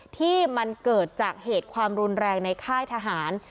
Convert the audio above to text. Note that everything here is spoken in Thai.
ที่มันเกิดจากเหตุความรุนแรงในค่ายทหาร